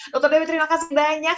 dr dewi terima kasih banyak